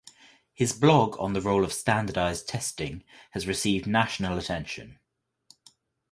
His blog on the role of standardized testing has received national attention.